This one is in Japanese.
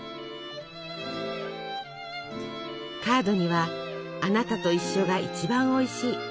カードには「あなたと一緒が一番おいしい」。